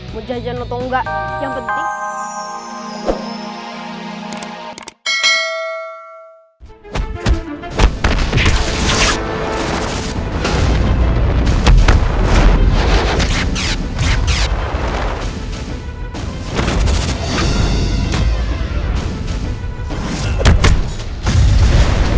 mau jajan atau enggak yang penting